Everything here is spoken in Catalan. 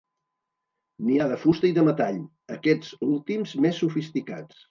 N'hi ha de fusta i de metall, aquests últims més sofisticats.